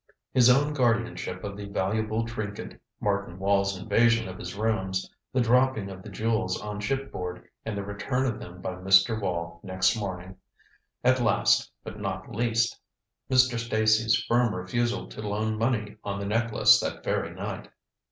His own guardianship of the valuable trinket Martin Wall's invasion of his rooms the "dropping" of the jewels on shipboard, and the return of them by Mr. Wall next morning. And last, but not least, Mr. Stacy's firm refusal to loan money on the necklace that very night.